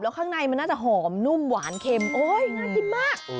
ข้างในมันน่าจะหอมนุ่มหวานเค็มโอ๊ยน่ากินมาก